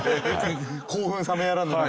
興奮冷めやらぬ中。